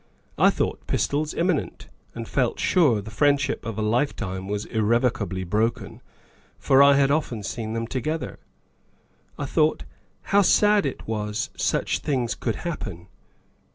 I thought pistols imminent, and felt sure the friendship of a lifetime was irrevocably broken, for I had often seen them together. I thought how sad it was such things could happen.